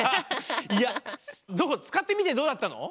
いやつかってみてどうだったの？